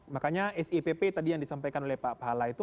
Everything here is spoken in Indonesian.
makanya sipp tadi yang disampaikan oleh pak pahala itu